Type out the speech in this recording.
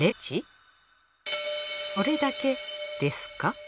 それだけですか？